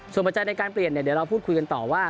ส่วนปัจจัยในการเปลี่ยนเดี๋ยวเราพูดคุยกันต่อว่า